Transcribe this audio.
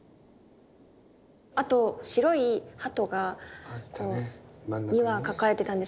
あと白いハトが２羽描かれてたんですけど。